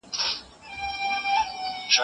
زما پلار ورته وويل، يه.